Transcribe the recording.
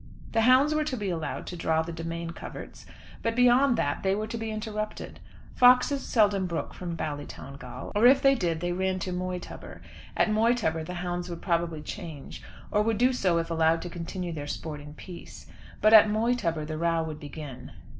The hounds were to be allowed to draw the demesne coverts, but beyond that they were to be interrupted. Foxes seldom broke from Ballytowngal, or if they did they ran to Moytubber. At Moytubber the hounds would probably change, or would do so if allowed to continue their sport in peace. But at Moytubber the row would begin.